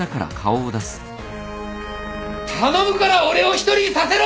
頼むから俺を一人にさせろ！